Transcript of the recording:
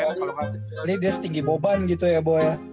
ini dia setinggi boban gitu ya boya